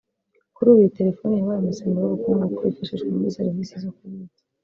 Kuri ubu iyi telefoni yabaye umusemburo w’ubukungu kuko yifashishwa muri serivisi zo kubitsa